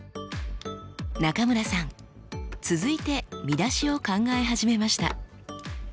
中村さん続いて見出しを考え始めました。